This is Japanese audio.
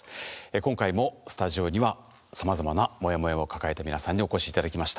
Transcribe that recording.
今回もスタジオにはさまざまなモヤモヤを抱えた皆さんにお越しいただきました。